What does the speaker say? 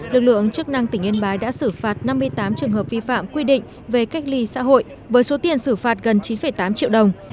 lực lượng chức năng tỉnh yên bái đã xử phạt năm mươi tám trường hợp vi phạm quy định về cách ly xã hội với số tiền xử phạt gần chín tám triệu đồng